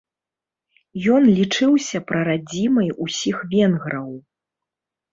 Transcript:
Ён лічыўся прарадзімай усіх венграў.